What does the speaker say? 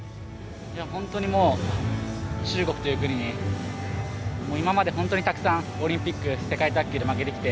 本当にもう中国という国に今まで本当にたくさんオリンピック、世界卓球で負けてきて。